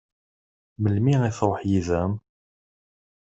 Melmi i tṛuḥ yid-m?